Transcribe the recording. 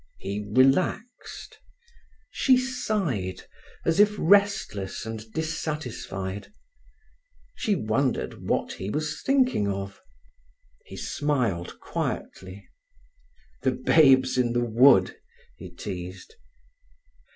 He relaxed. She sighed, as if restless and dissatisfied. She wondered what he was thinking of. He smiled quietly. "The Babes in the Wood," he teased.